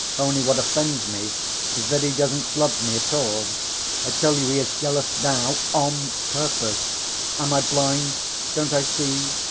Only what offends me is that he doesn't love me at all. I tell you he is jealous now on purpose. Am I blind? Don't I see?